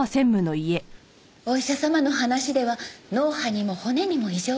お医者様の話では脳波にも骨にも異常はありませんって。